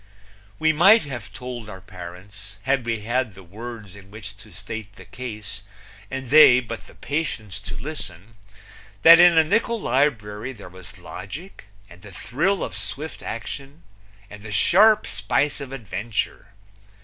We might have told our parents, had we had the words in which to state the case and they but the patience to listen, that in a nickul librury there was logic and the thrill of swift action and the sharp spice of adventure.